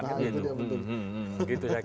nah itu dia betul